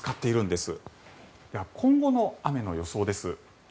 では、今後の雨の予想です。